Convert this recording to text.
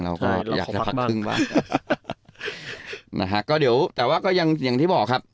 เราก็อยากจะพักพึ่งบ้างนะฮะก็เดี๋ยวแต่ว่าก็ยังอย่างที่บอกครับ